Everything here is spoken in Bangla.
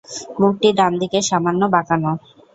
মুখটি ডান দিকে সামান্য বাঁকানো।